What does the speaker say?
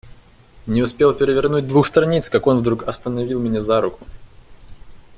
Не успел перевернуть двух страниц, как он вдруг остановил меня за руку.